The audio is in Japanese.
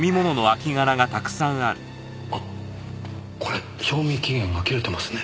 あっこれ賞味期限が切れてますね。